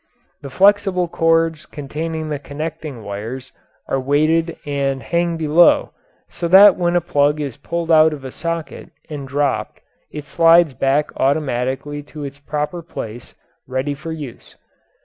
The flexible cords containing the connecting wires are weighted and hang below, so that when a plug is pulled out of a socket and dropped it slides back automatically to its proper place, ready for use.